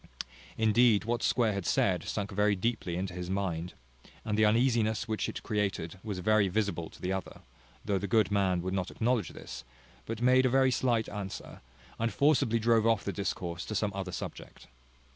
Indeed what Square had said sunk very deeply into his mind, and the uneasiness which it there created was very visible to the other; though the good man would not acknowledge this, but made a very slight answer, and forcibly drove off the discourse to some other subject.